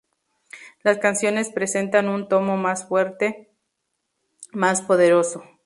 Las canciones presentan un tomo más fuerte, más poderoso.